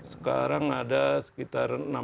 sekarang ada sekitar